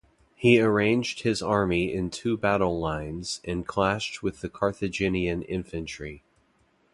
He arranged his army in two battle lines and clashed with the Carthaginian infantry.